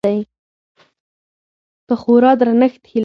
په خورا درنښت هيله کيږي